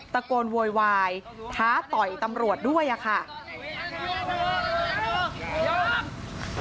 ตะโกนโวยวายท้าต่อยตำรวจด้วยค่ะ